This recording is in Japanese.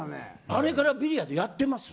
あれからビリヤードやってます。